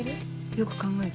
よく考えて。